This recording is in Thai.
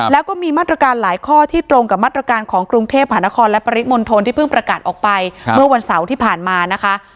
แล้วก็มีมาตรการหลายข้อที่ตรงกับมาตรการของกรุงเทพหานครและปริมณฑลที่เพิ่งประกาศออกไปเมื่อวันเสาร์ที่ผ่านมานะคะ